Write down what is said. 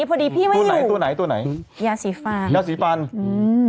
พอดีพี่ไม่รู้ตัวไหนตัวไหนตัวไหนยาสีฟันยาสีฟันอืม